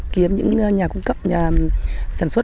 kiếm những nhà cung cấp nhà sản xuất